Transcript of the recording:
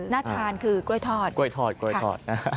น่าทานคือกล้วยทอดกล้วยทอดกล้วยทอด